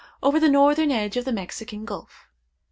over the northern edge of the Mexican Gulf.